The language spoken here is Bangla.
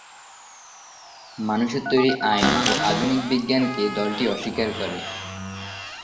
মানুষের তৈরি আইন ও আধুনিক বিজ্ঞানকে দলটি অস্বীকার করে।